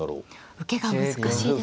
受けが難しいですね。